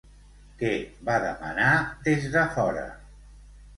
Què va demanar des de fora?